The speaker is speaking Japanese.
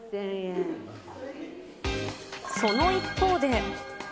その一方で。